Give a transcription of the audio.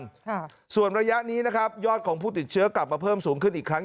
ค่ะส่วนระยะนี้นะครับยอดของผู้ติดเชื้อกลับมาเพิ่มสูงขึ้นอีกครั้ง